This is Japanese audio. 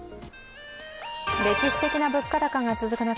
歴史的な物価高が続く中